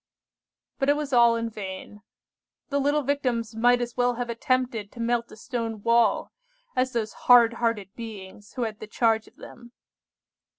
"But it was all in vain. The little Victims might as well have attempted to melt a stone wall as those hard hearted beings who had the charge of them.